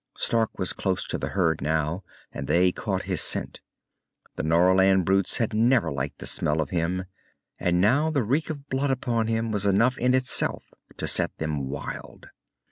Stark was close to the herd now. And they caught his scent. The Norland brutes had never liked the smell of him, and now the reek of blood upon him was enough in itself to set them wild.